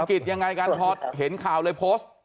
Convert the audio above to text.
กิจยังไงกันพอเห็นข่าวเลยโพสต์